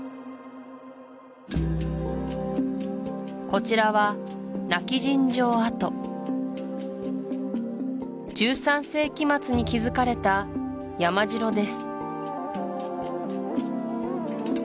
こちらは１３世紀末に築かれた山城です